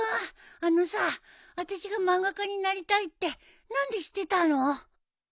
あのさあたしが漫画家になりたいって何で知ってたの？